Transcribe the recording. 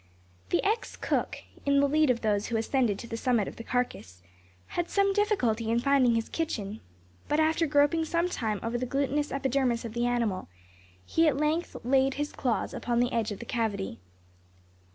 The ex cook, in the lead of those who ascended to the summit of the carcass, had some difficulty in finding his kitchen; but, after groping some time over the glutinous epidermis of the animal, he at length laid his claws upon the edge of the cavity.